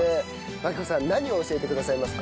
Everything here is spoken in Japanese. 万紀子さん何を教えてくださいますか？